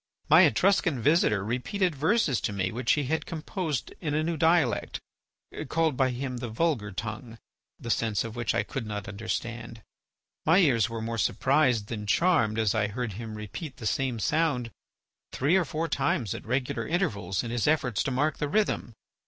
My Etruscan visitor repeated verses to me which he had composed in a new dialect, called by him the vulgar tongue, the sense of which I could not understand. My ears were more surprised than charmed as I heard him repeat the same sound three or four times at regular intervals in his efforts to mark the rhythm.